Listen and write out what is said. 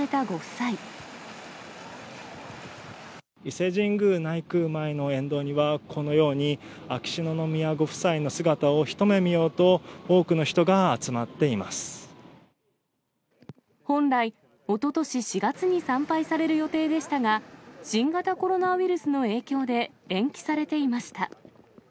内宮前の沿道には、このように秋篠宮ご夫妻の姿を一目見ようと、多くの人が集まって本来、おととし４月に参拝される予定でしたが、新型コロナウイルスの影響で延期されていました。